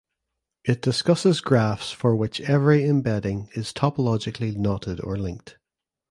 It discusses graphs for which every embedding is topologically knotted or linked.